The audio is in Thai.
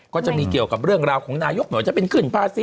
ก็จะมีเกี่ยวกับเรื่องราวของนายกไม่ว่าจะเป็นขึ้นภาษี